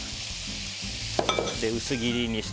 薄切りにした。